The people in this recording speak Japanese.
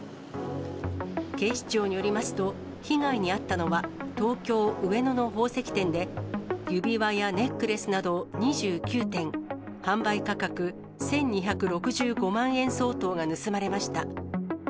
警視庁によりますと、被害に遭ったのは、東京・上野の宝石店で、指輪やネックレスなど２９点、販売価格１２６５万円相当が盗まれました。